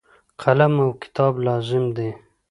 قلم او کتاب لازم دي.